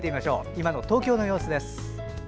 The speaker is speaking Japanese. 今の東京の様子です。